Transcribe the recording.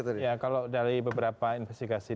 tadi ya kalau dari beberapa investigasi yang